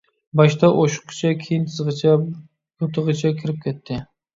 باشتا ئوشۇققىچە، كىيىن تىزغىچە، يوتىغىچە كىرىپ كەتتى.